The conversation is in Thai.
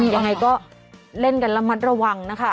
ยังไงก็เล่นกันระมัดระวังนะคะ